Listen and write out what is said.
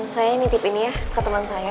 saya nitip ini ya ke temen saya